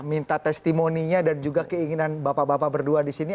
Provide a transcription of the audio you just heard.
minta testimoninya dan juga keinginan bapak bapak berdua di sini